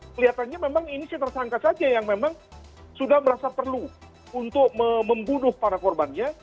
kelihatannya memang ini si tersangka saja yang memang sudah merasa perlu untuk membunuh para korbannya